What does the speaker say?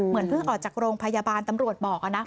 เหมือนเพิ่งออกจากโรงพยาบาลตำรวจบอกอ่ะนะค่ะ